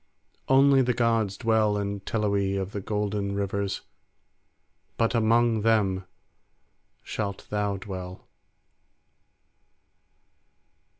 Only the gods dwell in Teloe of the golden rivers, but among them shalt thou dwell."